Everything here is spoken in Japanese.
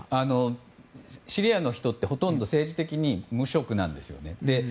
シリアの人ってほとんど政治的に無色なんです。